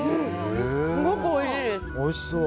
すごくおいしいです。